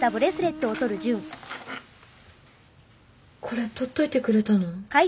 これ取っといてくれたの？